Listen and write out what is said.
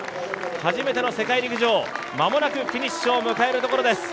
初めての世界陸上、まもなくフィニッシュを迎えるところです。